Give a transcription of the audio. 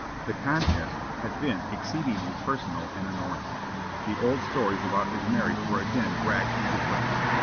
The contest had been exceedingly personal and annoying. The old stories about his marriage were again dragged through the press.